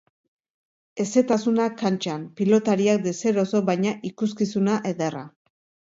Hezetasuna kantxan, pilotariak deseroso baina ikuskizuna ederra.